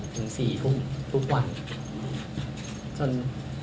ถึง๔ทุ่มทุกวันจน